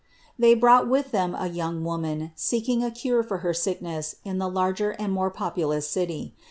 They brought with them a young woman seeking a cure for her sickness in the larger and more populous city.